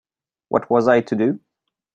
What was I to do?